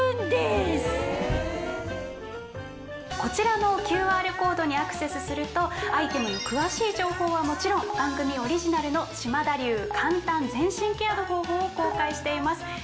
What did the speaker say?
こちらのＱＲコードにアクセスするとアイテムの詳しい情報はもちろん番組オリジナルの島田流簡単全身ケアの方法を公開しています。